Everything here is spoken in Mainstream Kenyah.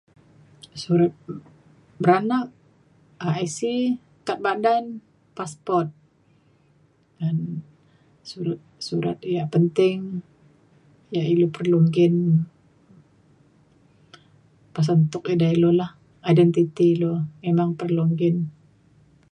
surat beranak IC kad badan passport. ngan su- surat ia' penting ia' ilu perlu nggin pasen tuk ida ilu lah identiti ilu memang perlu nggin